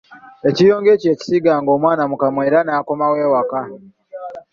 Ekiyonga ekyo yakisiiganga omwana mu kamwa era n’akomawo ewaka.